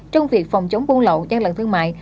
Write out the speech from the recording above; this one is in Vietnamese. trong việc phòng chống buôn lậu gian lận thương mại